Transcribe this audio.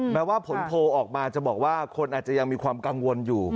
แม้ว่าผลโพลออกมาจะบอกว่าคนอาจจะยังมีความกังวลอยู่